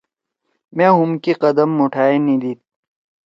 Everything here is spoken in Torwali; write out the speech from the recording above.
مأ ہوم کی قدم موٹھائے نیدید